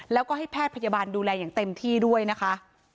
แล้วก็ให้แพทย์พยาบาลดูแลอย่างเต็มที่ด้วยนะคะ